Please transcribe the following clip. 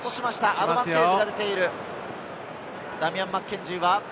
アドバンテージが出ている。